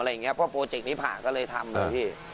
เพราะโปรเจกต์นี้ผ่าก็เลยทำเลยพี่